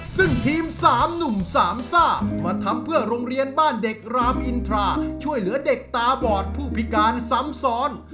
ซึ่งทีม๓หนุ่มสามซ่ามาทำเพื่อโรงเรียนบ้านเด็กรามอินทราช่วยเหลือเด็กตาบอดผู้พิการซ้ำซ้อน